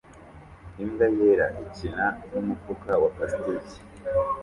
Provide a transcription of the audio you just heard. Imbwa yera ikina numufuka wa plastiki